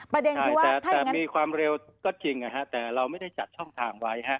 แต่มีความเร็วก็จริงแต่เราไม่ได้จัดช่องทางไว้